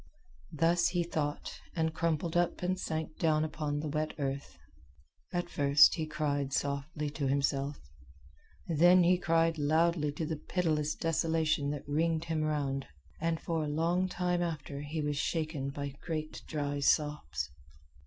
Thus he thought, and crumpled up and sank down upon the wet earth. At first he cried softly to himself, then he cried loudly to the pitiless desolation that ringed him around; and for a long time after he was shaken by great dry sobs.